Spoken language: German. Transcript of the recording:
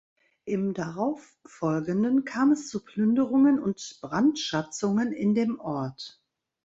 Im Darauffolgenden kam es zu Plünderungen und Brandschatzungen in dem Ort.